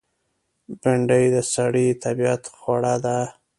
بېنډۍ د سړي طبیعت خوړه ده